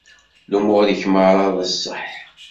Lumuṛ-ik merra d ṣṣeḥḥ.